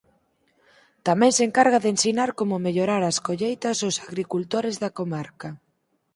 Tamén se encarga de ensinar como mellorar as colleitas ós agricultores da comarca.